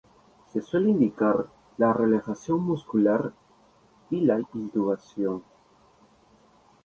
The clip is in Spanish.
Se suele indicar la relajación muscular y la intubación.